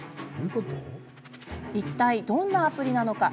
いったい、どんなアプリなのか。